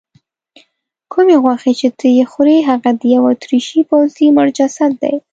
کومې غوښې چې ته یې خورې هغه د یوه اتریشي پوځي مړ جسد دی.